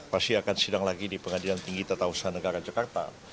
pasti akan sidang lagi di pengadilan tinggi tata usaha negara jakarta